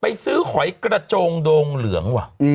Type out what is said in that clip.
ไปซื้อขอยกระโจงโดงเหลือง